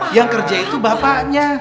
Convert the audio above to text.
yang kerja itu bapaknya